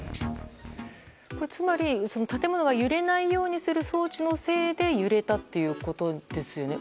つまり建物が揺れないようにする装置のせいで揺れたっていうことですよね。